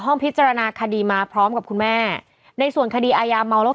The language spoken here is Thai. พิจารณาคดีมาพร้อมกับคุณแม่ในส่วนคดีอายาเมาแล้ว